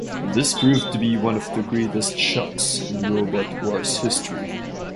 This proved to be one of the greatest shocks in Robot Wars history.